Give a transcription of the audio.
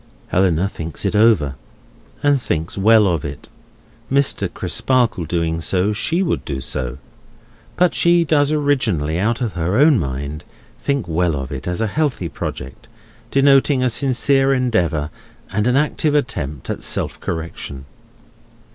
Helena thinks it over, and thinks well of it. Mr. Crisparkle doing so, she would do so; but she does originally, out of her own mind, think well of it, as a healthy project, denoting a sincere endeavour and an active attempt at self correction.